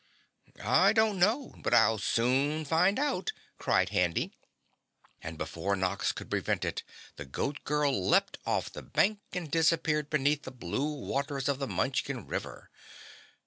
"I don't know, but I'll soon find out," cried Handy, and before Nox could prevent it, the Goat Girl leapt off the bank and disappeared beneath the blue waters of the Munchkin River.